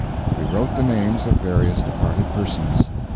We wrote the names of various departed persons.